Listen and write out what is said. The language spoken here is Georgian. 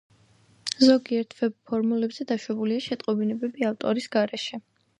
ზოგიერთ ვებ–ფორუმებზე დაშვებულია შეტყობინებები ავტორის გარეშე.